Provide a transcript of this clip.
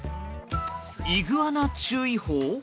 イグアナ注意報？